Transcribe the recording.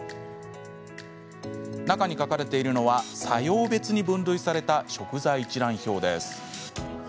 中に書かれているのは作用別に分類された食材一覧表です。